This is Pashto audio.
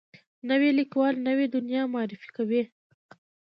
نوی لیکوال نوې دنیا معرفي کوي